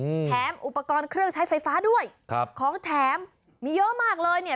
อืมแถมอุปกรณ์เครื่องใช้ไฟฟ้าด้วยครับของแถมมีเยอะมากเลยเนี้ย